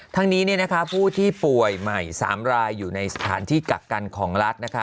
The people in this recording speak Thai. ทั้งนี้ผู้ที่ป่วยใหม่๓รายอยู่ในสถานที่กักกันของรัฐ